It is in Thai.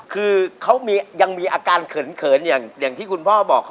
คือเขายังมีอาการเขินอย่างที่คุณพ่อบอก